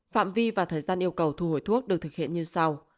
phạm vi và thời gian yêu cầu thu hồi thuốc được thực hiện như sau